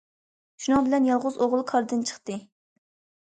شۇنىڭ بىلەن يالغۇز ئوغۇل كاردىن چىقتى.